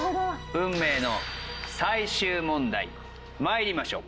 運命の最終問題まいりましょう。